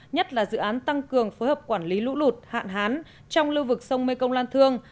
nhất là dự án tăng cường phối hợp quản lý lũ lụt hạn hán trong lưu vực sông mê công lan thương